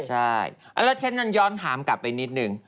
ใช่แล้วฉันยังย้อนถามกลับไปนิดนึง